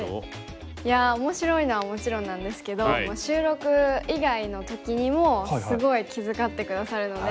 いや面白いのはもちろんなんですけど収録以外の時にもすごい気遣って下さるので。